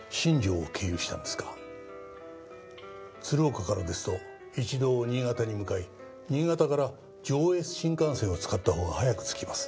鶴岡からですと一度新潟に向かい新潟から上越新幹線を使ったほうが早く着きます。